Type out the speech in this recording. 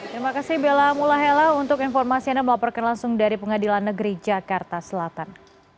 terima kasih bella mulahela untuk informasi anda melaporkan langsung dari pengadilan negeri jakarta selatan